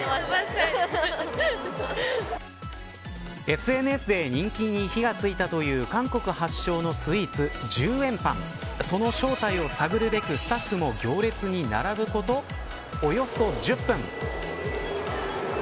ＳＮＳで人気に火が付いたという韓国発祥のスイーツ１０円パンその正体を探るべくスタッフも行列に並ぶことおよそ１０分。